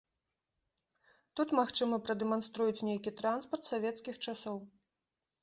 Тут, магчыма, прадэманструюць нейкі транспарт савецкіх часоў.